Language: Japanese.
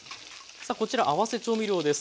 さあこちら合わせ調味料です。